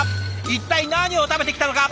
一体何を食べてきたのか。